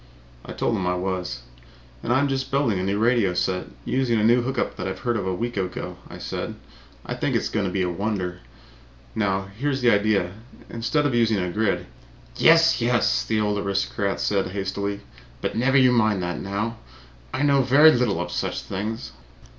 I told him I was. "And I'm just building a new set, using a new hook up that I heard of a week ago," I said. "I think it is going to be a wonder. Now, here is the idea: instead of using a grid " "Yes, yes!" the old aristocrat said hastily. "But never mind that now. I know very little of such things.